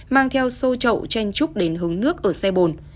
mang theo sô trậu tranh trúc đến hướng nước ở xe bồn